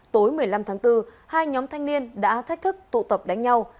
tối một mươi năm tháng bốn hai nhóm thanh niên đã thách thức tụ tập đánh nhau